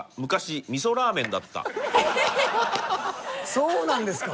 そうなんですか？